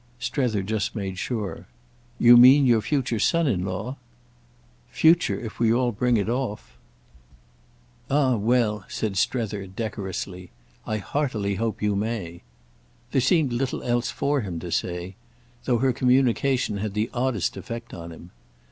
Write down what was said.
Strether just made sure. "You mean your future son in law?" "Future if we all bring it off." "Ah well," said Strether decorously, "I heartily hope you may." There seemed little else for him to say, though her communication had the oddest effect on him.